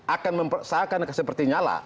akan mempersahakan seperti nyala